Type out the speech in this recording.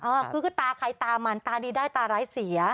ก็คือตาไข่ตามันตาดีได้ตาไร้เสีย